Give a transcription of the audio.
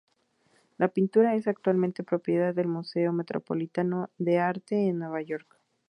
La pintura es actualmente propiedad del Museo Metropolitano de Arte de Nueva York.